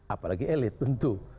apalagi elit tentu